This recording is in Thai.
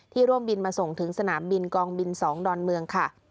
ร่วมบินมาส่งถึงสนามบินกองบิน๒ดอนเมืองค่ะ